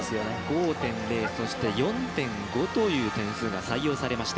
５．０、そして４．５という点数が採用されました。